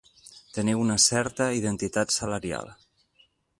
Teniu una certa identitat salarial.